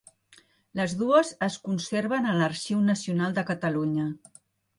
Les dues es conserven a l'Arxiu Nacional de Catalunya.